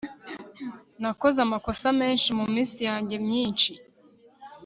nakoze amakosa menshi muminsi yanjye myinshi